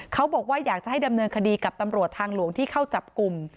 เขาบอกว่าอยากจะให้ดำเนินคดีกับตำรวจทางหลวงที่เข้าจับกลุ่ม